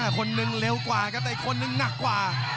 คนหนึ่งเร็วกว่าครับแต่อีกคนนึงหนักกว่า